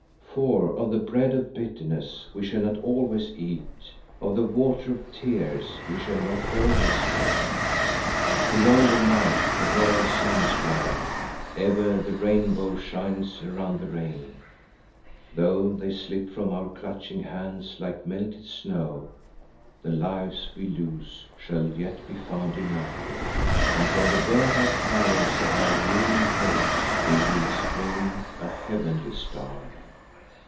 "For of the bread of bitterness we shall not always eat, of the water of tears we shall not always drink. Beyond the night the royal suns ride on; ever the rainbow shines around the rain. Though they slip from our clutching hands like melted snow, the lives we lose shall yet be found immortal, and from the burnt out fires of our human hopes will spring a heavenly star."